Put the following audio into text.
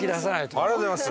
ありがとうございます。